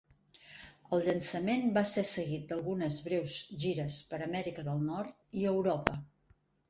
El llançament va ser seguit d'algunes breus gires per Amèrica del Nord i Europa.